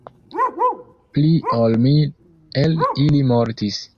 Pli ol mil el ili mortis.